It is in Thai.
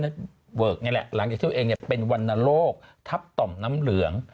เวิร์กนี่แหละหลังจากที่ตัวเองเป็นวรรณโรคทับต่อมน้ำเหลือง